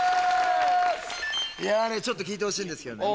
いやちょっと聞いてほしいんですけどね